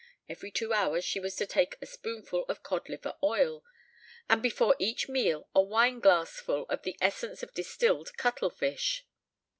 Every two hours she was to take a spoonful of cod liver oil, and before each meal a wineglassful of the essence of distilled cuttlefish.